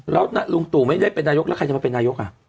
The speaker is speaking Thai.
แล้วลุงตู่ไม่ได้เป็นนายกแล้วใครจะมาเป็นนายก